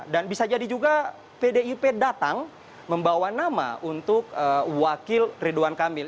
dan bisa jadi juga pdip datang membawa nama untuk wakil ridwan kamil